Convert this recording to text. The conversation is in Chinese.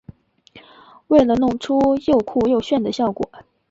为了弄出又酷又炫的效果